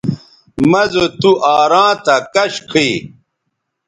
مہ زو تُوآراں تھا کش کھئ